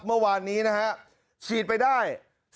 เมื่อวานนี้นะฮะฉีดไปได้